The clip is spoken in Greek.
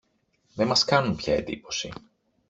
δε μας κάνουν πια εντύπωση.